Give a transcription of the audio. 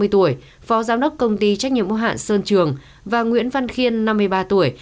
ba mươi tuổi phó giám đốc công ty trách nhiệm mô hạn sơn trường và nguyễn văn khiên năm mươi ba tuổi